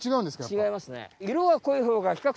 違いますね。